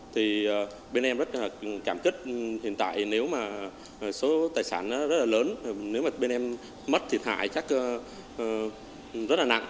thì bên em rất là cảm kích hiện tại nếu mà số tài sản rất là lớn nếu mà bên em mất thiệt hại chắc rất là nặng